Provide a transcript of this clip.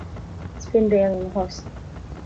Is binn béal ina thost